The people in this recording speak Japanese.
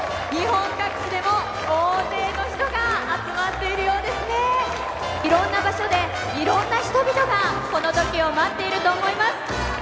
日本各地でも大勢の人が集まっているようですね色んな場所で色んな人々がこのときを待っていると思います